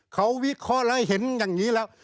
เขาวิกเขาแล้วเห็นอย่างนี้แล้ว